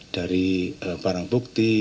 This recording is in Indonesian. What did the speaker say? dari barang bukti